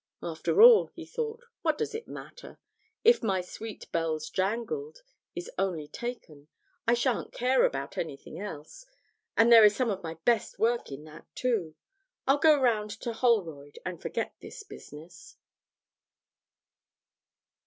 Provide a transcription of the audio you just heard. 'After all,' he thought, 'what does it matter? If my "Sweet Bells Jangled" is only taken, I shan't care about anything else. And there is some of my best work in that, too. I'll go round to Holroyd, and forget this business.'